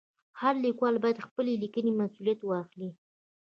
هر لیکوال باید د خپلې لیکنې مسؤلیت واخلي.